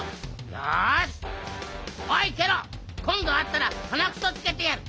よしおいケロこんどあったらはなくそつけてやる。